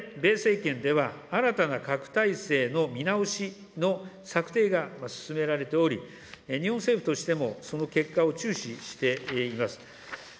現在、バイデン米政権では、新たな核体制の見直しの策定が進められており、日本政府としても、その結果を注視しています。